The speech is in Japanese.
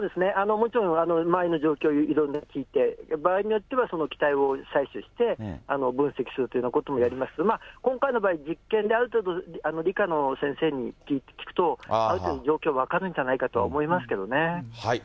もちろん周りの状況をいろいろ聞いて、場合によっては気体を採取して、分析するというようなこともやりますけど、今回の場合、実験である程度、理科の先生に聞くと、ある程度状況は分かるんじゃないかとは思いますけどね。